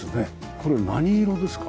これは何色ですか？